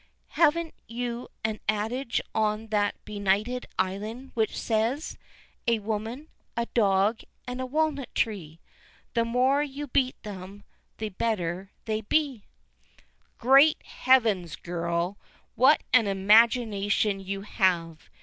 Haven't you an adage on that benighted island which says 'A woman, a dog, and a walnut tree; the more you beat them the better they be?'" "Great heavens, girl, what an imagination you have!